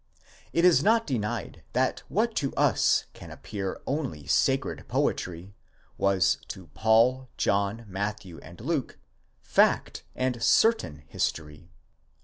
It is not denied that what to us can appear only sacred poetry, was to Paul, John, Matthew and Luke, fact and certain history.